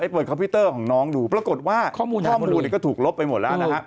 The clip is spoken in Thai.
เปิดคอมพิวเตอร์ของน้องดูปรากฏว่าข้อมูลข้อมูลก็ถูกลบไปหมดแล้วนะฮะ